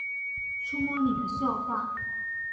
触摸你的秀发